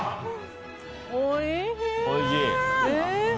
おいしい！